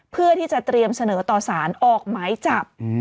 เพื่อที่จะเตรียมเสนอต่อสารออกหมายจับ